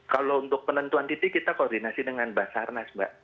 kalau untuk penentuan titik kita koordinasi dengan basarnas mbak